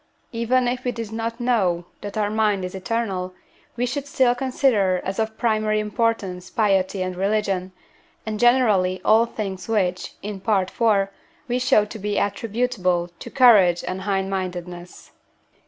Even if we did not know that our mind is eternal, we should still consider as of primary importance piety and religion, and generally all things which, in Part IV., we showed to be attributable to courage and high mindedness.